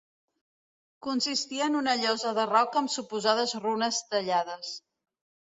Consistia en una llosa de roca amb suposades runes tallades.